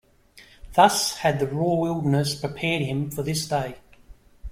Thus had the raw wilderness prepared him for this day.